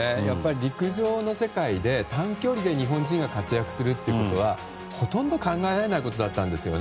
陸上の世界で短距離で日本人が活躍することはほとんど考えられないことだったんですよね。